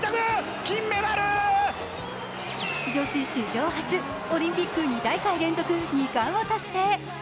女子史上初、オリンピック２大会連続２冠を達成。